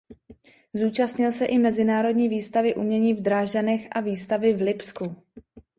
Zúčastnil se i mezinárodní výstavy umění v Drážďanech a výstavy v Lipsku.